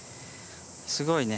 すごいね。